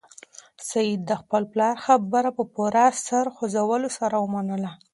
سعید د خپل پلار خبره په پوره سر خوځولو سره ومنله.